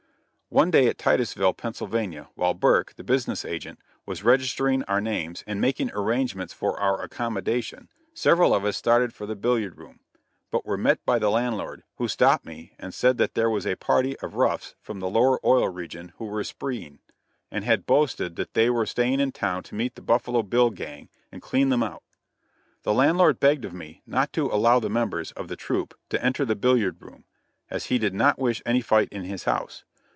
One day at Titusville, Pennsylvania, while Burke, the business agent, was registering our names and making arrangements for our accommodation, several of us started for the billiard room; but were met by the landlord, who stopped me and said that there was a party of roughs from the lower oil region who were spreeing, and had boasted that they were staying in town to meet the Buffalo Bill gang and clean them out. The landlord begged of me not to allow the members of the troupe to enter the billiard room, as he did not wish any fight in his house.